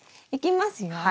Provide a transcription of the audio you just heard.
いきますよ。